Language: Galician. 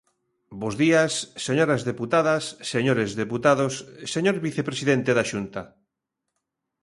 Bos días, señoras deputadas, señores deputados, señor vicepresidente da Xunta.